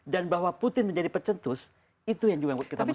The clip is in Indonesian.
dan bahwa putin menjadi pecetus itu yang juga yang kita mesti perhatikan